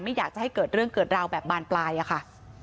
อยากจะให้เกิดเรื่องเกิดราวแบบบานปลายอะค่ะ